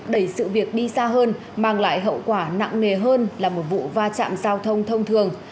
đẩy sự việc đi xa hơn mang lại hậu quả nặng nề hơn là một vụ va chạm giao thông thông thường